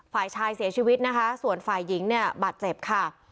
ฝ่ายชายเสียชีวิตนะคะส่วนฝ่ายหญิงเนี่ยบาดเจ็บค่ะ